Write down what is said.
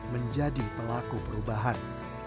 menjadi pelaku perubahan